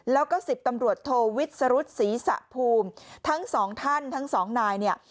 แล้วก็๑๐ตำรวจโทวิทย์สรุษศรีสะภูมิทั้ง๒ท่านทั้ง๒นาย